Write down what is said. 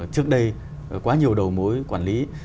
trước đây quá nhiều đầu mối quản lý